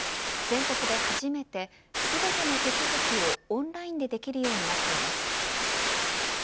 全国で初めて全ての手続きをオンラインでできるようになっています。